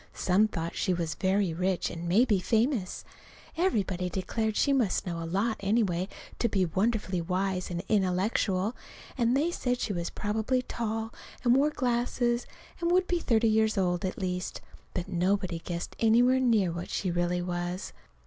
Some thought she was very rich, and maybe famous. Everybody declared she must know a lot, anyway, and be wonderfully wise and intellectual; and they said she was probably tall and wore glasses, and would be thirty years old, at least. But nobody guessed anywhere near what she really was.